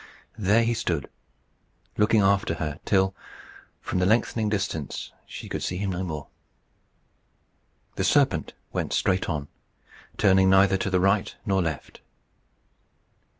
There he stood, looking after her, till, from the lengthening distance, she could see him no more. The serpent went straight on, turning neither to the right nor left.